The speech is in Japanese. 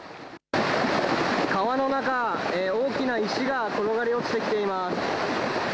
川の中、大きな石が転がり落ちてきています。